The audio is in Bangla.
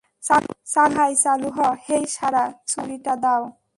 চালু হ ভাই, চালু হ হেই সারা, ছুরিটা দাও।